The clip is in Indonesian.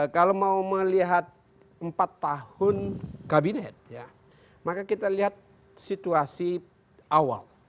kalau mau melihat empat tahun kabinet ya maka kita lihat situasi awal